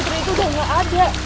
ya putri itu udah gak ada